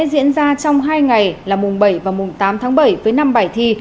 kỳ thi sẽ diễn ra trong hai ngày là mùng bảy và mùng tám tháng bảy với năm bài thi